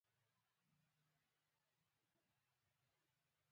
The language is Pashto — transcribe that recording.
زیات غږونه د غوږو لپاره ضرر لري.